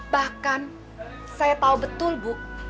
bahkan saya tahu betul bu